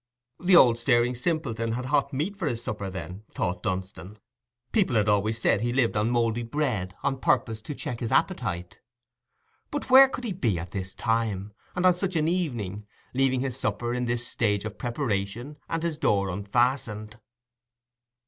The old staring simpleton had hot meat for his supper, then? thought Dunstan. People had always said he lived on mouldy bread, on purpose to check his appetite. But where could he be at this time, and on such an evening, leaving his supper in this stage of preparation, and his door unfastened?